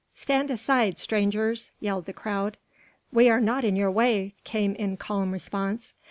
"Stand aside, strangers!" yelled the crowd. "We are not in your way," came in calm response.